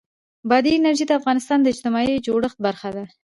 بادي انرژي د افغانستان د اجتماعي جوړښت برخه ده.